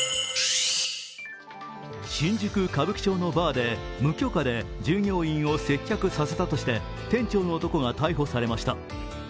新宿・歌舞伎町のバーで無許可で従業員を接客させたとして店長の男が逮捕されました。